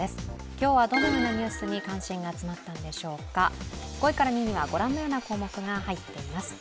今日はどのようなニュースに関心が集まったんでしょうか５位から２位にはご覧のような項目が入っています。